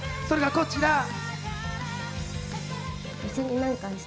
それがこちら。